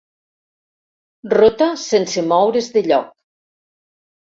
Rota sense moure's de lloc.